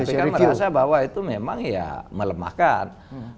kpk merasa bahwa itu memang ya melemahkan